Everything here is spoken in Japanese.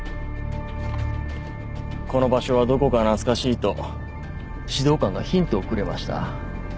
この場所はどこか懐かしいと指導官がヒントをくれました。